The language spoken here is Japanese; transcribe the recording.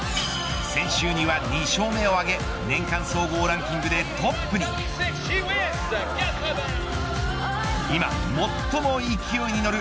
先週には２勝目を挙げ年間総合ランキングでトップに。